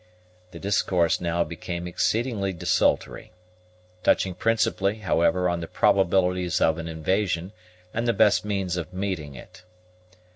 The discourse now became exceedingly desultory, touching principally, however, on the probabilities of an invasion, and the best means of meeting it.